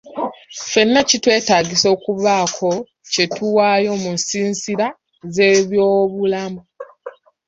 Ffenna kitwetaagisa okubaako kye tuwaayo mu nsiisira z'ebyobulamu.